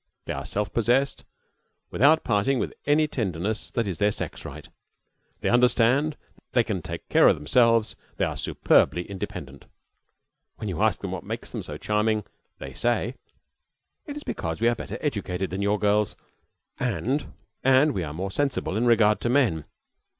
They are self possessed, without parting with any tenderness that is their sex right; they understand; they can take care of themselves; they are superbly independent. When you ask them what makes them so charming, they say: "It is because we are better educated than your girls, and and we are more sensible in regard to men.